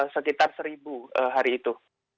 sekitar seribu hari itu